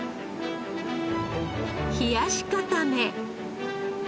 冷やし固め。